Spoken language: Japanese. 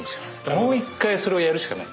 もう一回それをやるしかない。